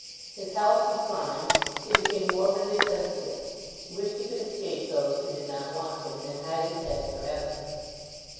His health declined; he became morbidly sensitive. He wished he could escape those who did not want him, and hide his head for ever.